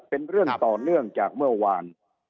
เป็นเรื่องต่อเนื่องจากเมื่อวาน